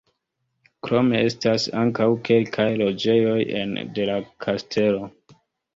Krome estas ankaŭ kelkaj loĝejoj ene de la kastelo.